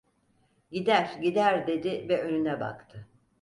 "Gider, gider!" dedi ve önüne baktı.